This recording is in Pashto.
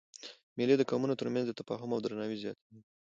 مېلې د قومونو تر منځ تفاهم او درناوی زیاتوي.